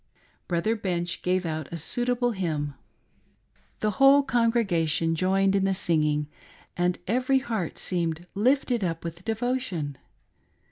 Brother Bench gave out a suitable hymn. The whole congregation .joined in the singing, and every heart seemed lifted up with devotion.